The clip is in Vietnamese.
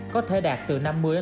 có thể đạt từ năm mươi tám mươi